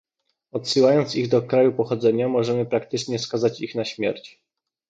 Odsyłając ich do kraju pochodzenia możemy praktycznie skazać ich na śmierć